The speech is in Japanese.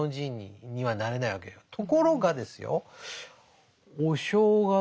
ところがですよお正月